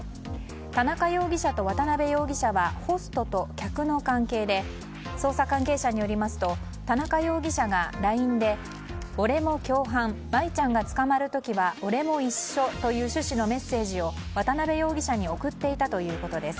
田中容疑者と渡辺容疑者はホストと客の関係で捜査関係者によりますと田中容疑者がＬＩＮＥで俺も共犯真衣ちゃんが捕まる時は俺も一緒という趣旨のメッセージを渡辺容疑者に送っていたということです。